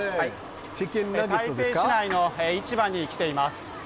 台北市内の市場に来ています。